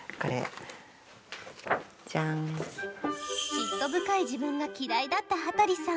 嫉妬深い自分が嫌だった羽鳥さん。